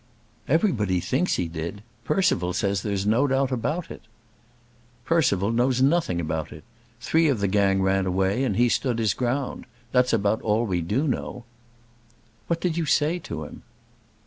"Everybody thinks he did. Percival says there is no doubt about it." "Percival knows nothing about it. Three of the gang ran away, and he stood his ground. That's about all we do know." "What did you say to him?"